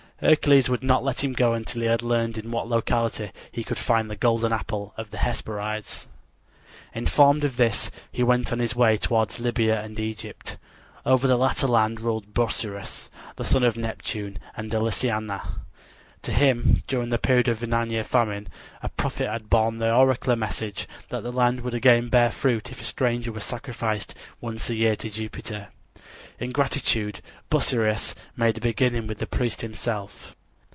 Hercules would not let him go until he had learned in what locality he could find the golden apples of the Hesperides. Informed of this, he went on his way toward Libya and Egypt. Over the latter land ruled Busiris, the son of Neptune and Lysianassa. To him during the period of a nine year famine a prophet had borne the oracular message that the land would again bear fruit if a stranger were sacrificed once a year to Jupiter. In gratitude Busiris made a beginning with the priest himself.